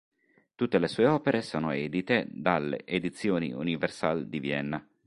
Tutte le sue opere sono edite dalle Edizioni Universal di Vienna.